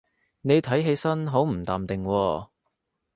你睇起身好唔淡定喎